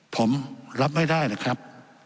ผมรับไม่ได้นะครับ